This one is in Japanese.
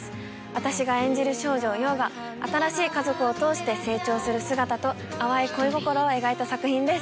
私が演じる少女陽が新しい家族を通して成長する姿と淡い恋心を描いた作品です。